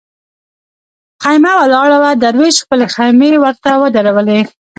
خېمه ولاړه وه دروېش خپلې خېمې ورته ودرولې.